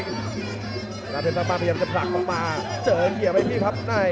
เมื่อเทศภาพบ้านพยายามจะผลักบ้างมาเจอเกี่ยวไอ้พี่ภาพใน